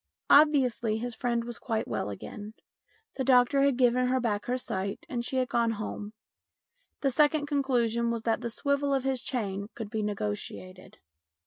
Obviously his friend was quite well again. The doctor had given her back her sight, and she had gone home. The second conclusion was that the swivel of his chain could be negotiated.